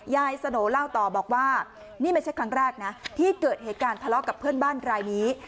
สโนเล่าต่อบอกว่านี่ไม่ใช่ครั้งแรกนะที่เกิดเหตุการณ์ทะเลาะกับเพื่อนบ้านรายนี้